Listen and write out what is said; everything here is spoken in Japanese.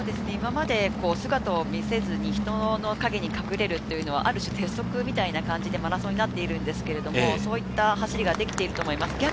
今まで姿を見せずに、人の影に隠れるというのはある種、鉄則みたいな感じになっているんですが、そういった走りができていると思います。